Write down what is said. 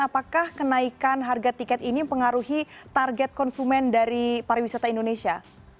apakah kenaikan harga tiket ini mengaruhi target konsumen dari pariwisata indonesia